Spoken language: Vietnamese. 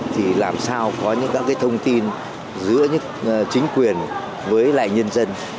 thì làm sao có những các cái thông tin giữa chính quyền với lại nhân dân